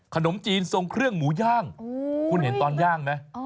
ขนมจีนทรงเครื่องหมูย่างคุณเห็นตอนย่างไหม